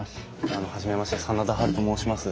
初めまして真田ハルと申します。